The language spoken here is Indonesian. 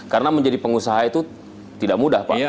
karena menjadi pengusaha itu tidak mudah pak